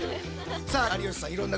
さあ有吉さん